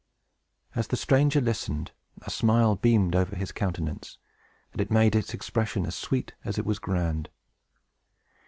As the stranger listened, a smile beamed over his countenance, and made its expression as sweet as it was grand.